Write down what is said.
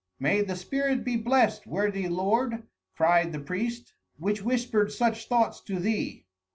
"May the spirit be blessed, worthy lord," cried the priest, "which whispered such thoughts to thee.